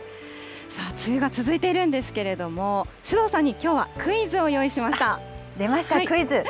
さあ、梅雨が続いているんですけれども、首藤さんにきょうはクイ出ました、クイズ。